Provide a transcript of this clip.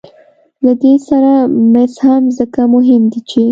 له دې سره مس هم ځکه مهم دي چې